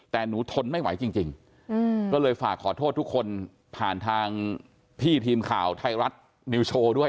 แต่หนูทนไม่ไหวจริงก็เลยฝากขอโทษทุกคนผ่านทางพี่ทีมข่าวไทยรัฐนิวโชว์ด้วย